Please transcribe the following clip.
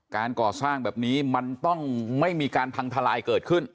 การก่อสร้างแบบนี้มันต้องไม่มีการพังทลายเกิดขึ้น